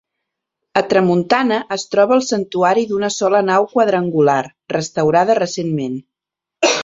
A tramuntana es troba el Santuari d’una sola nau quadrangular, restaurada recentment.